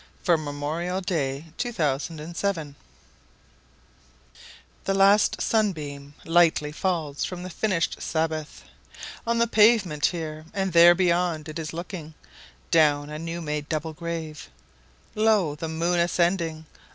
131. Dirge for Two Veterans 1THE LAST sunbeamLightly falls from the finish'd Sabbath, On the pavement here—and there beyond, it is looking, Down a new made double grave.2Lo! the moon ascending!